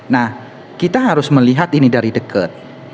nah kita harus melihat ini dari dekat